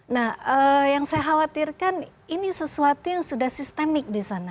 nah yang saya khawatirkan ini sesuatu yang sudah sistemik di sana